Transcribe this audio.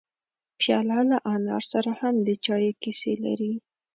پیاله له انا سره هم د چایو کیسې لري.